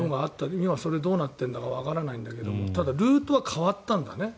今、それがどうなっているのかわからないんだけどただ、ルートは変わったんだね。